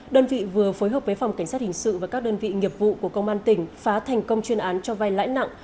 đơn vị vừa phối hợp với phòng cảnh sát hình sự và các đơn vị nghiệp vụ của công an tỉnh phá thành công chuyên án cho vai lãi nặng